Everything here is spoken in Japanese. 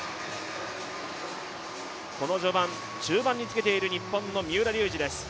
この序盤、中盤につけている日本の三浦龍司です。